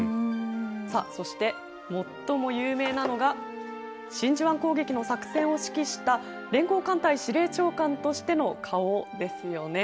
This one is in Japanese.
さあそして最も有名なのが真珠湾攻撃の作戦を指揮した連合艦隊司令長官としての顔ですよね。